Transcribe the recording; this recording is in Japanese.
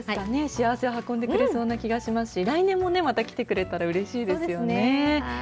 幸せを運んでくれそうな気がしますし、来年もまた来てくれたらうそうですね。